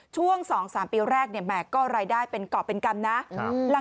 ช่วง๒๓ปีแรกเนี่ยแหมก็รายได้เป็นกรอบเป็นกรรมนะ